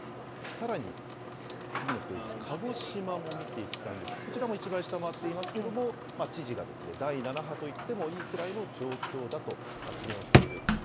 さらに、次のページ、鹿児島も見ていきたいんです、こちらも１倍下回っていますけれども、知事が第７波と言ってもいいくらいの状況だと発言をしている。